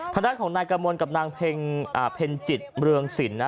ทางด้านของนายกระมวลกับนางเพ็ญจิตเมืองสินนะ